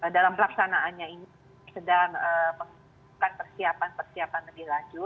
dalam pelaksanaannya ini sedang membuat persiapan persiapan lebih laju